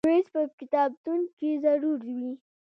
مېز په کتابتون کې ضرور وي.